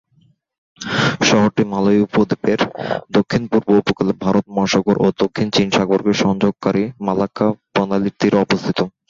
শহরটি মালয় উপদ্বীপের দক্ষিণ-পূর্ব উপকূলে, ভারত মহাসাগর ও দক্ষিণ চীন সাগরকে সংযোগকারী মালাক্কা প্রণালীর তীরে অবস্থিত।